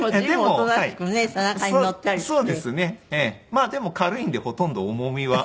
まあでも軽いんでほとんど重みは。